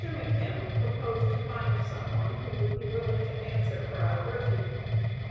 McKim proposed to find some one who would be willing to answer for Alberti.